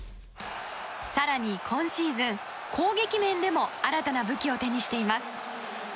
更に今シーズン、攻撃面でも新たな武器を手にしています。